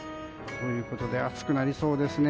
ということで暑くなりそうですね。